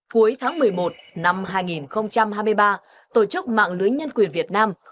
cuối tháng một mươi một năm hai nghìn hai mươi ba tổ chức mạng lưới nhân quyền việt nam